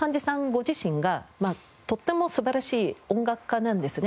ご自身がとっても素晴らしい音楽家なんですね。